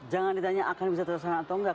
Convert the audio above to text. jangan ditanya akan bisa terserah atau enggak